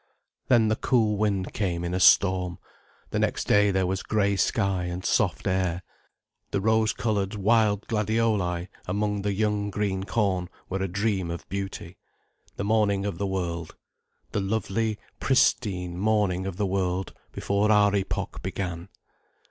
Then the cool wind came in a storm, the next day there was grey sky and soft air. The rose coloured wild gladioli among the young green corn were a dream of beauty, the morning of the world. The lovely, pristine morning of the world, before our epoch began.